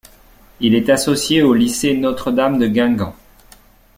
Il est associé au lycée Notre-Dame de Guingamp.